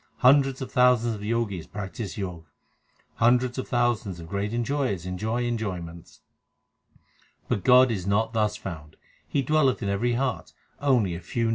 Hundreds of thousands of Jogis practise Jog. Hundreds of thousands of great enjoyers enjoy enjoy ments ; l But God is not thus found ; He dwelleth in every heart : only a few know it.